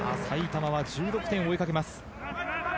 埼玉は１６点を追いかけます。